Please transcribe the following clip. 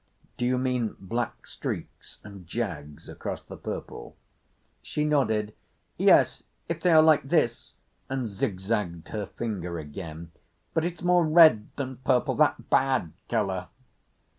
"Do you mean black streaks and jags across the purple?" She nodded. "Yes—if they are like this," and zigzagged her finger again, "but it's more red than purple—that bad colour."